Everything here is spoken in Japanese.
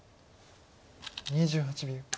２８秒。